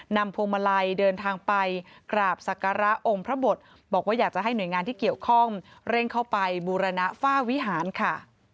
พวงมาลัยเดินทางไปกราบศักระองค์พระบทบอกว่าอยากจะให้หน่วยงานที่เกี่ยวข้องเร่งเข้าไปบูรณะฝ้าวิหารค่ะ